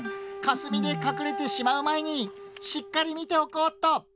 かすみでかくれてしまうまえにしっかりみておこうっと。